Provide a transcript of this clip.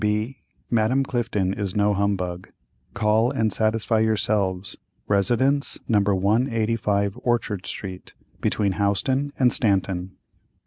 B.—Madame Clifton is no humbug. Call and satisfy yourselves. Residence No. 185 Orchard st., between Houston and Stanton."